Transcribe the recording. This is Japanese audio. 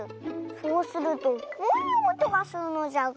そうするとこういうおとがするのじゃが。